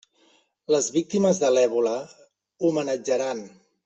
Les víctimes de l'èbola, homenatjaran!